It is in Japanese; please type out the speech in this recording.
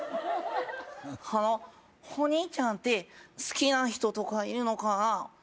あのほにいちゃんって好きな人とかいるのかな？